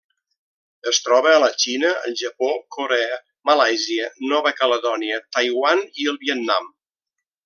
Es troba a la Xina, el Japó, Corea, Malàisia, Nova Caledònia, Taiwan i el Vietnam.